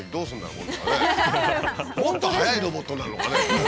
もっと速いロボットになるのかね？